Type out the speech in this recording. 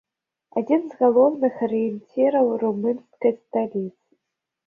Адзін з галоўных арыенціраў румынскай сталіцы.